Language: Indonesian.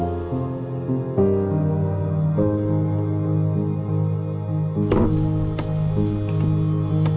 aku mau tidur